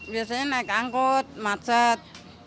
biasanya naik angkut macet